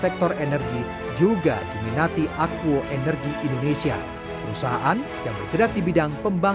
komitmen investasi di jawa tengah